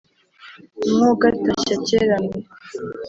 mwo gatashya kera mwe,